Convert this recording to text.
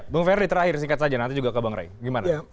bung ferdi terakhir singkat saja nanti juga ke bang ray gimana